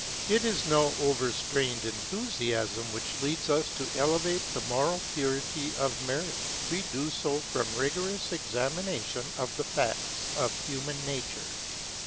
It is no overstrained enthusiasm which leads us to elevate the moral purity of marriage. We do so from rigorous examination of the facts of human nature.